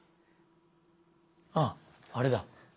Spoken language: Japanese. あっあれだ。